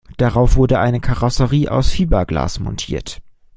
Darauf wurde eine Karosserie aus Fiberglas montiert.